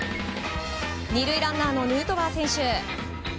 ２塁ランナーのヌートバー選手。